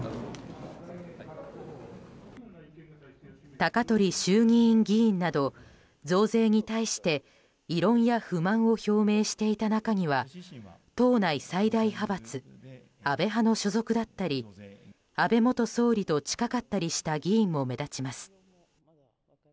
高鳥衆議院議員など増税に対して異論や不満を表明していた中には党内最大派閥安倍派の所属だったり安倍元総理と近かったりした議員も目立ちます。